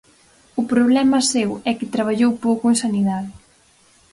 O problema seu é que traballou pouco en sanidade.